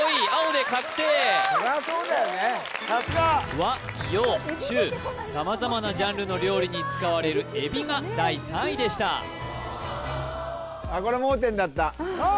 和洋中様々なジャンルの料理に使われるえびが第３位でしたこれ盲点だったさあ